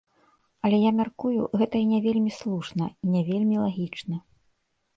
Але я мяркую, гэта і не вельмі слушна, і не вельмі лагічна.